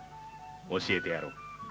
教えてやろう。